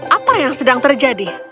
apa yang sedang terjadi